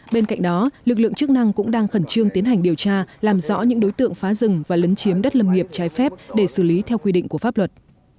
bên cạnh đó lực lượng chức năng cũng đang khẩn trương tiến hành điều tra làm rõ những đối tượng phá rừng và lấn chiếm đất lâm nghiệp trái phép để xử lý theo quy định của pháp luật